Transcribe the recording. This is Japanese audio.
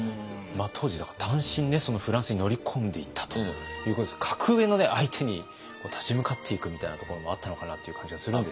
当時だから単身フランスに乗り込んでいったということですけど格上の相手に立ち向かっていくみたいなところもあったのかなっていう感じがするんですけど。